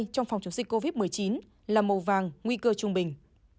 trong phòng chống dịch covid một mươi chín là màu vàng nguy cơ trung bình